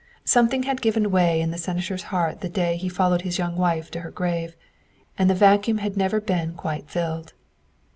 Something had given way in the Senator's heart the day he followed his young wife to her grave, and the vacuum had never been quite filled.